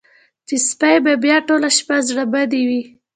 چې سپۍ به بیا ټوله شپه زړه بدې وي.